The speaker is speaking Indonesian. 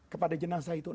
kepada jenazah itu